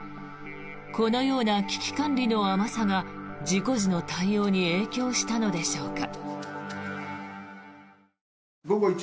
このような危機管理の甘さが事故時の対応に影響したのでしょうか。